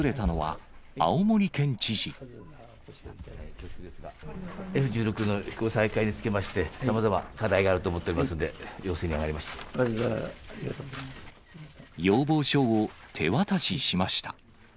Ｆ１６の飛行再開につきまして、さまざま課題があると思っておりますので、要望書を手渡ししました。